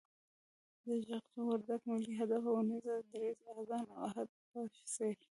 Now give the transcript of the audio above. د جغتو، وردگ، ملي هدف اونيزه، دريځ، آذان او عهد په څېر